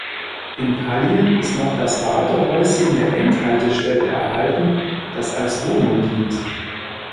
In Pallien ist noch das Wartehäuschen der Endhaltestelle erhalten das als Wohnung dient.